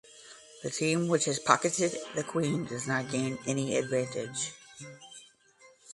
The team which has pocketed the "queen" does not gain any advantage.